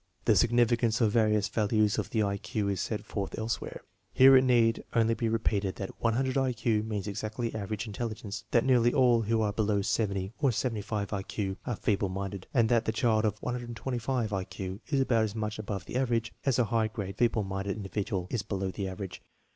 The significance of various values of the I Q is set forth elsewhere. 1 Here it need only be repeated that 100 I Q means exactly average intelligence; that nearly all who are below 70 or 75 I Q are feeble minded; and that the child of 125 I Q is about as much above the average as the high grade feeble minded individual is below the average.